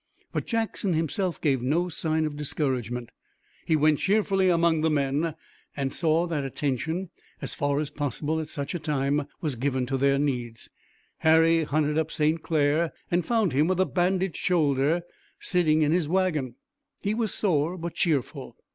But Jackson himself gave no sign of discouragement. He went cheerfully among the men, and saw that attention, as far as possible at such a time, was given to their needs. Harry hunted up St. Clair and found him with a bandaged shoulder sitting in his wagon. He was sore but cheerful.